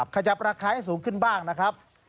ขยับราคาให้สูงขึ้นบ้างนะครับ